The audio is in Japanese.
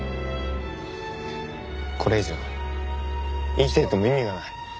これ以上生きていても意味がない。